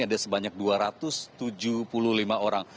ada sebanyak dua ratus tujuh puluh lima orang